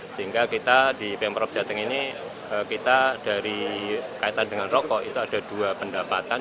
sehingga kita di pemprov jateng ini kita dari kaitan dengan rokok itu ada dua pendapatan